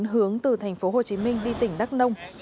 hướng từ thành phố hồ chí minh đi tỉnh đắk nông